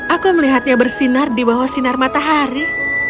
aku melihatnya bersinar di bawah sinar matahari